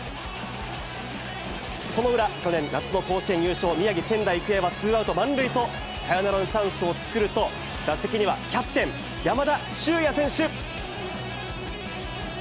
その裏、去年夏の甲子園優勝、宮城・仙台育英はツーアウト満塁と、サヨナラのチャンスを作ると、打席にはキャプテン、山田脩也選手。